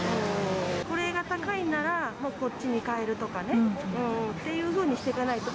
これが高いなら、もうこっちに変えるとかねっていうふうにしていかないと。